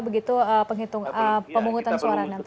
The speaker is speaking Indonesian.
begitu penghitung pemungutan suara